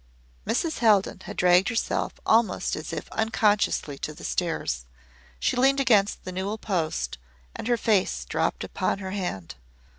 Mrs. Haldon had dragged herself almost as if unconsciously to the stairs. She leaned against the newel post and her face dropped upon her hand.